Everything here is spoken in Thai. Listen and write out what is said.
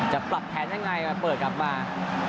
จะปรับแผนยังไงเปิดกลับมา